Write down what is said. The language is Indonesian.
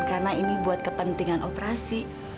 karena ini buat kepentingan operasi